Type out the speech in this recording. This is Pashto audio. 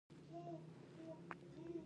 د نورو سره د هغه مهرباني ده.